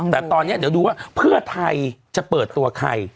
แต่ตอนนี้เดี๋ยวดูว่าเพื่อไทยจะเปิดตัวใคร